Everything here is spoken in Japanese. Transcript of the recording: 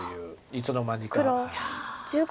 いつの間にか。